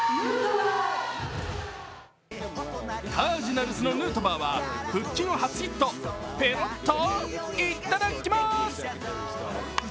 カージナルスのヌートバーは復帰後初ヒット、ペロッと、いただきまーす！